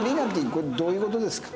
これどういう事ですか？